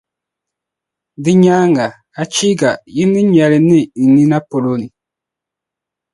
Di nyaaŋa, achiika! Yi ni nya li ni yi nina, polo ni.